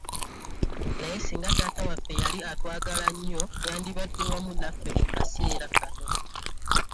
Naye singa taata waffe yali atwagala nnyo yandibadde wamu naffe mu kaseera kano.